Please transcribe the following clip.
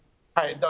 はい。